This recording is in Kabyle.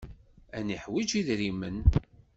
Ad neḥwij idrimen.